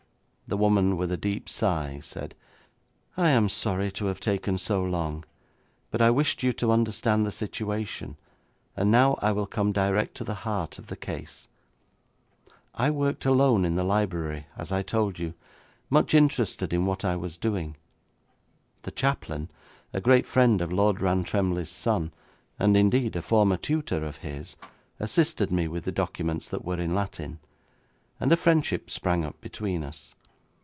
The woman with a deep sigh said, 'I am sorry to have taken so long, but I wished you to understand the situation, and now I will come direct to the heart of the case. I worked alone in the library, as I told you, much interested in what I was doing. The chaplain, a great friend of Lord Rantremly's son, and, indeed, a former tutor of his, assisted me with the documents that were in Latin, and a friendship sprang up between us.